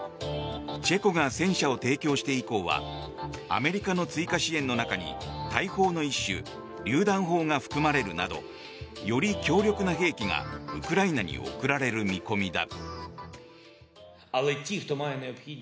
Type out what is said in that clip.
チェコが戦車を提供して以降はアメリカの追加支援の中に大砲の一種、りゅう弾砲が含まれるなどより強力な兵器がウクライナに送られる見込みだ。